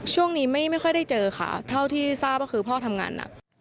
ช่วงนี้ไม่ค่อยได้เจอค่ะเท่าที่ทราบก็คือพ่อทำงานหนัก